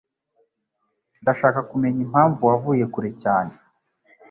Ndashaka kumenya impamvu wavuye kare cyane.